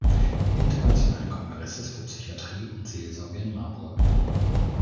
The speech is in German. Internationalen Kongresses für Psychiatrie und Seelsorge in Marburg.